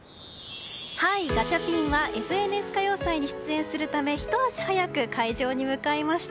ガチャピンは「ＦＮＳ歌謡祭」に出演するためひと足早く会場に向かいました。